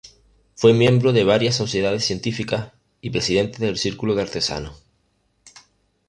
Fue miembro de varias sociedades científicas y Presidente del Círculo de Artesanos.